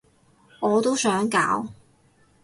我都想搞